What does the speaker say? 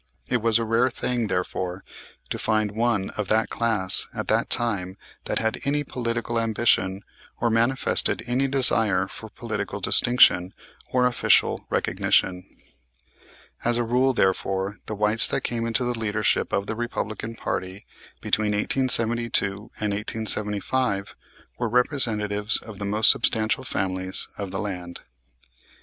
It was a rare thing, therefore, to find one of that class at that time that had any political ambition or manifested any desire for political distinction or official recognition. As a rule, therefore, the whites that came into the leadership of the Republican party between 1872 and 1875 were representatives of the most substantial families of the land.